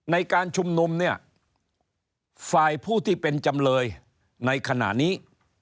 ในการชุมนุมเนี่ยฝ่ายผู้ที่เป็นจำเลยในขณะนี้